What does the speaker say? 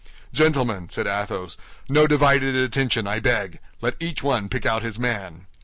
"Gentlemen," said Athos, "no divided attention, I beg; let each one pick out his man."